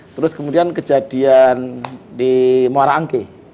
terus kemudian kejadian di muara angke